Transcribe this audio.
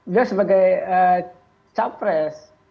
dia sebagai capres